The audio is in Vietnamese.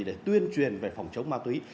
để tuyên truyền về phòng chống ma túy